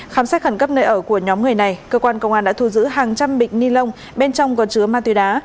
khám xét khẩn cấp nơi ở của nhóm người này cơ quan công an đã thu giữ hàng trăm bịch ni lông bên trong có chứa ma túy đá